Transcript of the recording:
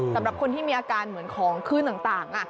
สำหรับคนที่มีอาการเหมือนของขึ้นต่าง